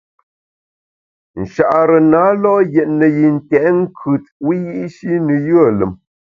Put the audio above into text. Nchare na lo’ yètne yi ntèt nkùt wiyi’shi ne yùe lùm.